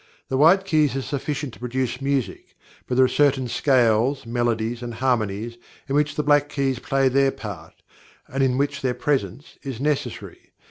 The white keys are sufficient to produce music, but there are certain scales, melodies, and harmonies, in which the black keys play their part, and in which their presence is necessary.